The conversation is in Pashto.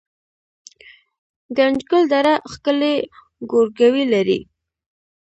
ګنجګل دره ښکلې ګورګوي لري